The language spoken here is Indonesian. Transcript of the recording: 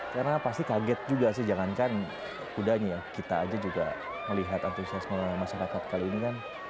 karena pasti kaget juga sih jangankan kudanya ya kita aja juga melihat antusiasme masyarakat kali ini kan